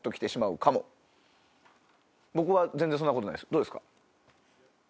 どうですか？